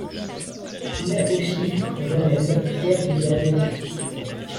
Il a aussi eu pour élève Pierre Vidal-Naquet.